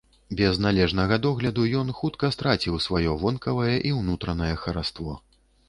Без належнага догляду ён хутка страціў сваё вонкавае і ўнутранае хараство.